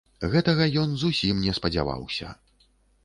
Гэтага ён зусім не спадзяваўся.